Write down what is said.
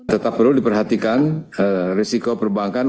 tetap perlu diperhatikan risiko perbankan